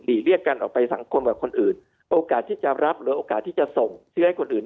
เรียกกันออกไปสังคมกับคนอื่นโอกาสที่จะรับหรือโอกาสที่จะส่งเชื้อให้คนอื่น